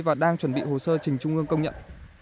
và đang chuẩn bị hồ sơ trình trung ương công nhận